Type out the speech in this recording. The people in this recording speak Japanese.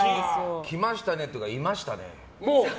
来ましたねというかいましたね。